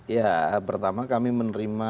ya pertama kami menerima